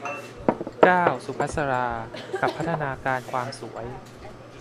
เก้า สุภัสสรา กับพัฒนาการความสวย